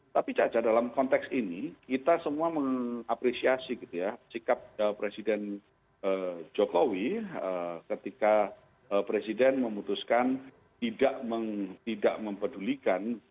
tapi caca dalam konteks ini kita semua mengapresiasi sikap presiden jokowi ketika presiden memutuskan tidak mempedulikan